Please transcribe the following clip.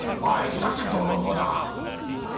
あいつだって泥棒だ。